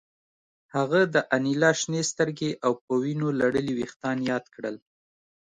هغه د انیلا شنې سترګې او په وینو لړلي ویښتان یاد کړل